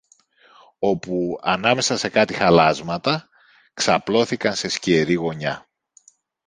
Όπου, ανάμεσα σε κάτι χαλάσματα, ξαπλώθηκαν σε σκιερή γωνιά